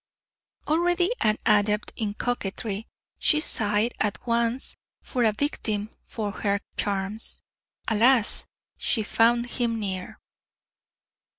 Already an adept in coquetry, she sighed at once for a victim for her charms. Alas! she found him near.